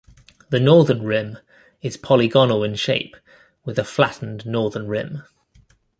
The northern rim is polygonal in shape, with a flattened northern rim.